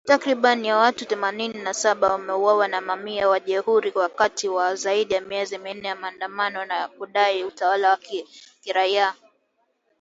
Takribani watu themanini na saba wameuawa na mamia kujeruhiwa wakati wa zaidi ya miezi minne ya maandamano ya kudai utawala wa kiraia